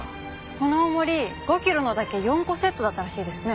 この重り５キロのだけ４個セットだったらしいですね。